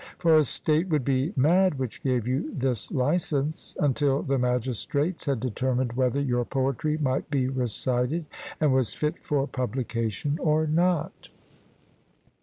For a state would be mad which gave you this licence, until the magistrates had determined whether your poetry might be recited, and was fit for publication or not.